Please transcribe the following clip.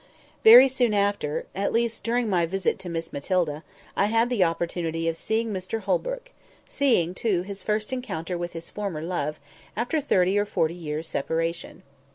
Very soon after—at least during my long visit to Miss Matilda—I had the opportunity of seeing Mr Holbrook; seeing, too, his first encounter with his former love, after thirty or forty years' separation.